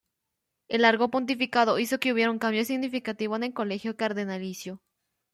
El largo pontificado hizo que hubiera un cambio significativo en el Colegio Cardenalicio.